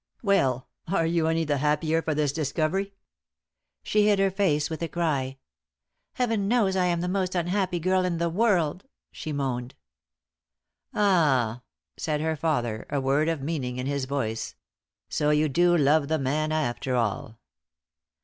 "Well, are you any the happier for this discovery?" She hid her face with a cry. "Heaven knows I am the most unhappy girl in the world!" she moaned. "Ah!" said her father, a word of meaning in his voice. "So you do love the man after all?"